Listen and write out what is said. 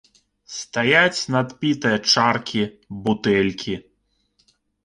Стаяць надпітыя чаркі, бутэлькі.